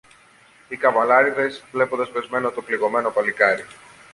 Οι καβαλάρηδες, βλέποντας πεσμένο το πληγωμένο παλικάρι